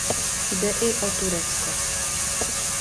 Jde i o Turecko.